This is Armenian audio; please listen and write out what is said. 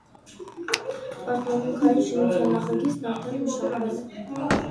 Պաշտամունքային շինության նախագիծն արդեն մշակվել է։